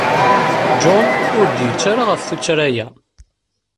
John ur d-yettarra ɣef tuttra-a.